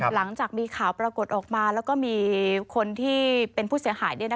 หลังจากมีข่าวปรากฏออกมาแล้วก็มีคนที่เป็นผู้เสียหาย